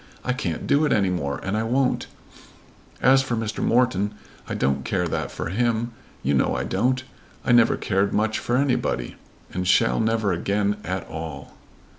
"I can't do it any more, and I won't. As for Mr. Morton, I don't care that for him. You know I don't. I never cared much for anybody, and shall never again care at all."